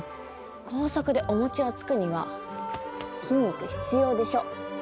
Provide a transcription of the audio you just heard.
高速でおもちをつくには筋肉必要でしょ！